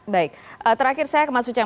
baik terakhir saya ke mas uceng